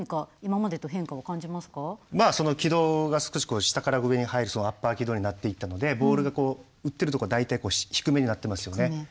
まあ軌道が少し下から上に入るアッパー軌道になっていったのでボールが打ってるとこは大体低めになってますよね。